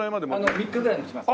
３日ぐらい持ちます。